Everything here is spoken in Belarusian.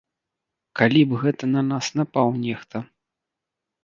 Калі б гэта на нас напаў нехта.